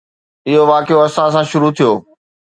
اهو واقعو اسان سان شروع ٿيو.